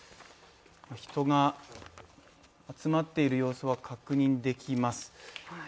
人が集まっている様子は確認できます。